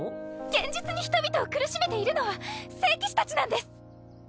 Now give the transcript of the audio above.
現実に人々を苦しめているのは聖騎士たちなんです！